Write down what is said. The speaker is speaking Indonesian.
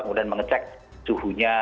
kemudian mengecek suhunya